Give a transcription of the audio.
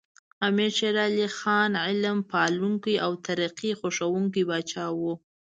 امیر شیر علی خان علم پالونکی او ترقي خوښوونکی پاچا و.